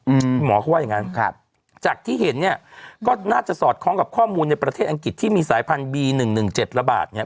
หมอเขาว่าอย่างงั้นครับจากที่เห็นเนี้ยก็น่าจะสอดคล้องกับข้อมูลในประเทศอังกฤษที่มีสายพันธบีหนึ่งหนึ่งเจ็ดระบาดเนี้ย